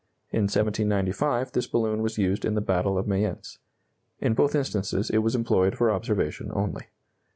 In 1795 this balloon was used in the battle of Mayence. In both instances it was employed for observation only.